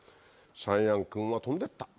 シャイアン君は飛んでった。